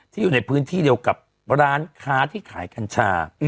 อยู่ในพื้นที่เดียวกับร้านค้าที่ขายกัญชา